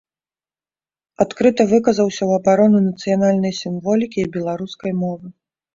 Адкрыта выказаўся ў абарону нацыянальнай сімволікі і беларускай мовы.